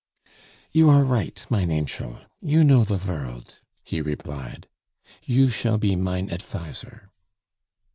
"You are right, mein anchel; you know the vorld," he replied. "You shall be mein adfiser."